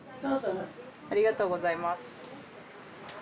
ありがとうございます。